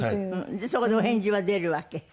そこでお返事は出るわけ？